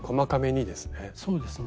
そうですね。